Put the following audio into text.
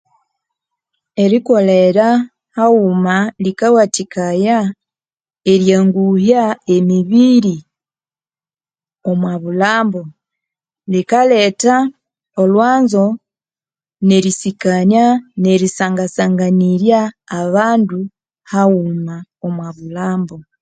Erikolera haghuma likawathikaya eryanguhya emibiri omwa bulhambu likaletha olhwanzo ne risikania neri sangasanganirya abandu haghuma omwa bulhambu